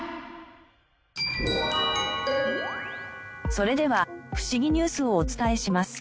それではフシギニュースをお伝えします。